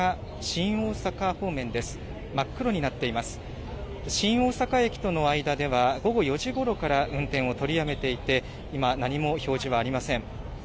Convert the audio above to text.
新大阪駅との間では、午後４時ごろから運転を取りやめていて、今、何も表示はありません。